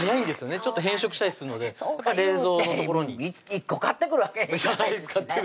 ちょっと変色したりするので冷蔵の所に１個買ってくるわけにいかないですしね